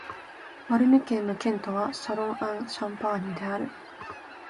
マルヌ県の県都はシャロン＝アン＝シャンパーニュである